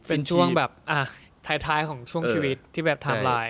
เป็นช่วงแบบท้ายของช่วงชีวิตที่แบบไทม์ไลน์